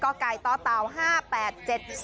ทะเบียนกกตต๕๘๗๓